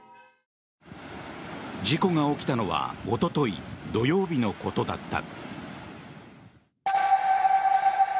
事故が起きたのはおととい土曜日のことだった。